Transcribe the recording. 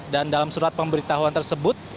dan dalam surat pemberitahuan tersebut